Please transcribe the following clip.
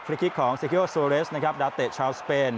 คลิกคลิกของเซคิโยสโซเลสนะครับดาตร์เตะชาวสเปน